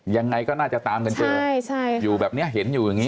ยังไงก็น่าจะตามกันเจอใช่ใช่อยู่แบบเนี้ยเห็นอยู่อย่างนี้